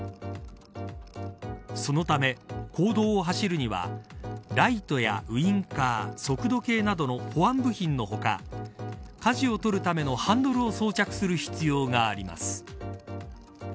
そのため、公道を走るにはライトやウインカー速度計などの保安部品の他舵を取るためのハンドルを装着する必要があります。